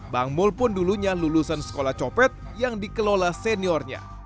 bang mul pun dulunya lulusan sekolah copet yang dikelola seniornya